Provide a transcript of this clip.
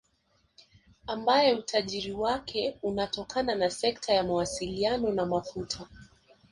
Ambaye utajiri wake unatokana na sekta ya mawasiliano na mafuta